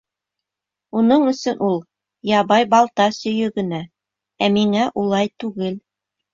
Уның өсөн ул ябай балта сөйө генә, ә миңә улай түгел.